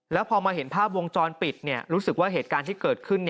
แล้วพอมาเห็นภาพวงจรปิดรู้สึกว่าเหตุการณ์ที่เกิดขึ้น